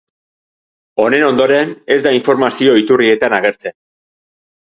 Honen ondoren, ez da informazio iturrietan agertzen.